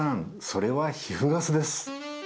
それは皮膚ガスです。